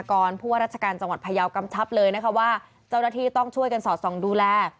กนทรัพย์เลยนะคะว่าเจ้าหน้าที่ต้องช่วยกันสอดส่องดูแล